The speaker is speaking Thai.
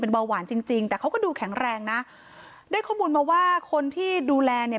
เบาหวานจริงจริงแต่เขาก็ดูแข็งแรงนะได้ข้อมูลมาว่าคนที่ดูแลเนี่ย